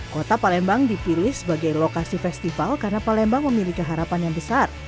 kota palembang dipilih sebagai lokasi festival karena palembang memiliki harapan yang besar